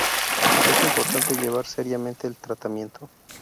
Es importante llevar seriamente el tratamiento.